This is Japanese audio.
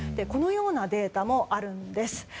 このようなデータもあるんです。